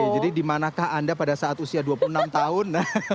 jadi dimanakah anda pada saat usia dua puluh enam tahun